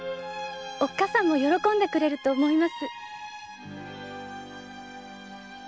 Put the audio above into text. おっかさんも喜んでくれると思います。